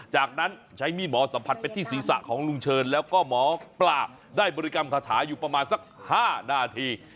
จากนั้นใช้มีดหมอสัมผัสไปที่ศีรษะของลุงเชิญแล้วก็หมอปลาได้บริกรรมคาถาอยู่ประมาณสัก๕นาที